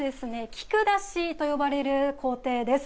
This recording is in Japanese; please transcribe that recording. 菊出しと呼ばれる工程です。